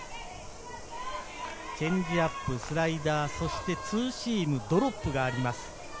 チェンジアップ、スライダー、そしてツーシーム、ドロップがあります。